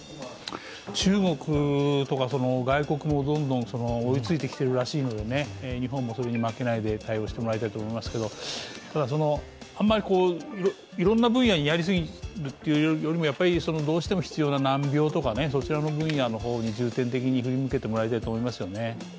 中国とか、外国もどんどん追いついてきてるらしいので日本もそれに負けないで対応してもらいたいと思いますけど、ただ、あまりいろいろな分野にやりすぎるよりも、どうしても必要な難病とかそちらの分野に重点的に振り向けてもらいたいと思いますよね。